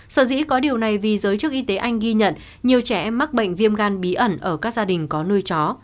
sở dĩ có điều này vì giới chức y tế anh ghi nhận nhiều trẻ em mắc bệnh viêm gan bí ẩn ở các gia đình có nuôi chó